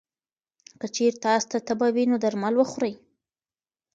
که چېرې تاسو ته تبه وي، نو درمل وخورئ.